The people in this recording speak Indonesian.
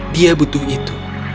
dia butuh itu